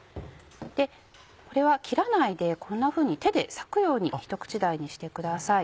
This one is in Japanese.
これは切らないでこんなふうに手で裂くようにひと口大にしてください。